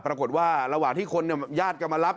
ปรากฏว่าระหว่างที่คนญาติก็มารับ